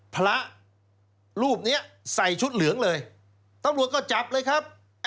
พระรูปนี้ใส่ชุดเหลืองเลยตำรวจก็จับเลยครับ